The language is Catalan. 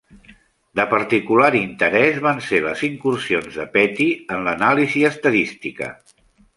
De particular interès van ser les incursions de Petty en l'anàlisi estadística.